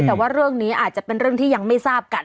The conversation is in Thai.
แต่ว่าเรื่องนี้อาจจะเป็นเรื่องที่ยังไม่ทราบกัน